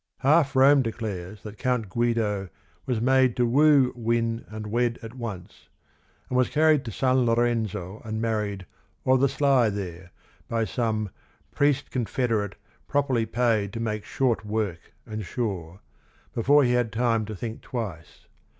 Half Rome declares that Count Guido was made to "woo, win, and wed at once," and was carried to San Lorenzo and married "o' the sly there" by some "priest confederate properly paid to make short work and sure," before he had time to think twice.